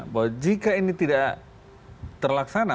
bahwa jika ini tidak terlaksana